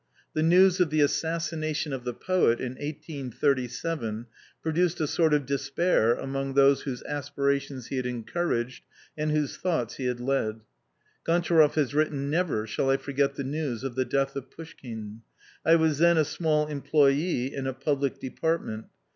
The news of the assassination of the poet, in 1837, produced a sort of despair among those whose aspirations he had encouraged, and whose thoughts he had led. Gon tcharoff has written :" Never shall I forget the news of the death of Pouschkine. I was then a small employ^ in a public department.